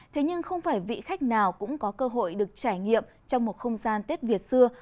thế nhưng không phải vị khách nào cũng có cơ hội được trải nghiệm trong một không gian tết việt xưa